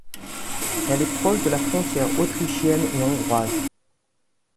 Elle est proche de la frontière autrichienne et hongroise.